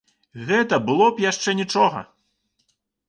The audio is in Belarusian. Гэта было б яшчэ нічога.